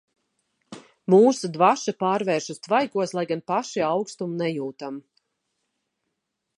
Mūsu dvaša pārvēršas tvaikos, lai gan paši aukstumu nejūtam.